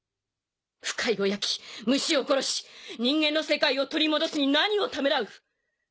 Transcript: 腐海を焼き蟲を殺し人間の世界を取り戻すに何をためらう！